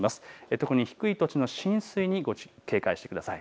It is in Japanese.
特に低い土地の浸水に警戒してください。